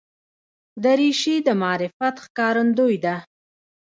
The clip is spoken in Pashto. دریشي د معرفت ښکارندوی ده.